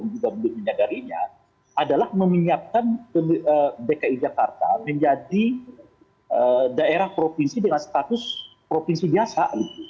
juga belum menyadarinya adalah menyiapkan dki jakarta menjadi daerah provinsi dengan status provinsi biasa